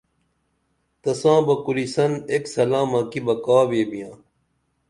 تساں بہ کُرِسن ایک سلامہ کی بہ کا ویبِیاں